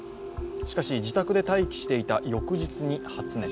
しかし、自宅で待機していた翌日に発熱。